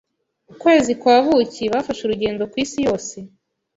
Ukwezi kwa buki bafashe urugendo kwisi yose.